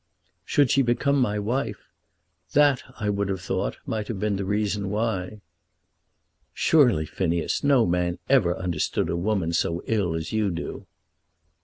"Should she become my wife, that I would have thought might have been the reason why." "Surely, Phineas, no man ever understood a woman so ill as you do."